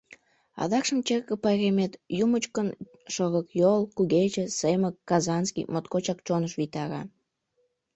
Адакшым черке пайремет: юмычкым, шорыкйол, кугече, семык, казанский — моткочак чоныш витара.